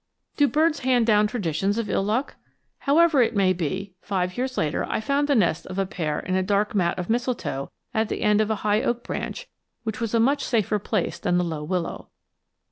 Do birds hand down traditions of ill luck? However it may be, five years later I found the nest of a pair in a dark mat of mistletoe at the end of a high oak branch, which was a much safer place than the low willow.